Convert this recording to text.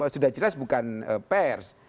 sudah jelas bukan pers